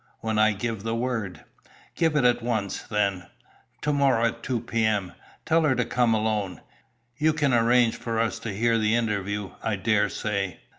"When I give the word." "Give it at once, then; to morrow at 2 p.m. Tell her to come alone. You can arrange for us to hear the interview, I dare say?"